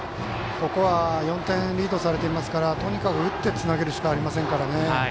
ここは４点リードされていますからとにかく打ってつなげるしかありませんからね。